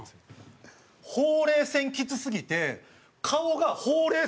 ほうれい線きつすぎて顔がほうれい